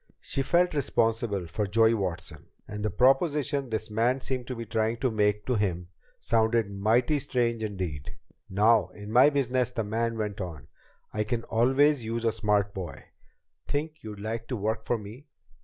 She felt responsible for Joey Watson, and the proposition this man seemed to be trying to make to him sounded mighty strange indeed! "Now in my business," the man went on, "I can always use a smart boy. Think you'd like to work for me?